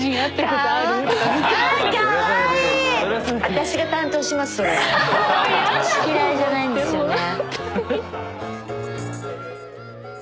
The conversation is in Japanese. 私嫌いじゃないんですよね。